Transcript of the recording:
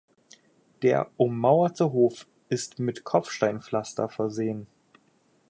Der ummauerte Hof ist mit Kopfsteinpflaster versehen.